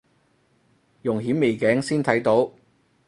用顯微鏡先睇到